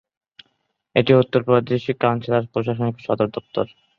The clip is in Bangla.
এটি উত্তর প্রাদেশিক কাউন্সিলের প্রশাসনিক সদর দফতর।